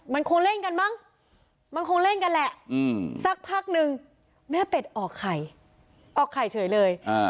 มันคงเล่นกันมั้งมันคงเล่นกันแหละสักพักนึงแม่เป็ดออกไข่ออกไข่เฉยเลย